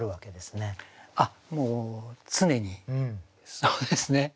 もう常にそうですね。